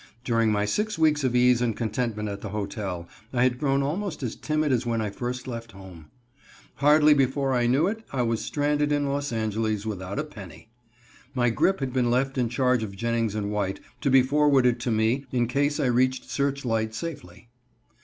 During my six weeks of ease and contentment at the hotel I had grown almost as timid as when I first left home. Hardly before I knew it I was stranded in Los Angeles without a penny. My grip had been left in charge of Jennings & White, to be forwarded to me in case I reached Searchlight safely.